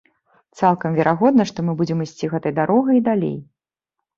Цалкам верагодна, што мы будзем ісці гэтай дарогай і далей.